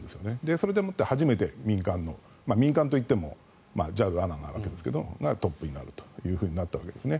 それでもって初めて民間の民間といってもＪＡＬ、ＡＮＡなんですがトップになるということになったわけですね。